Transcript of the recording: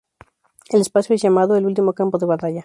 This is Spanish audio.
El espacio es llamado el último campo de batalla.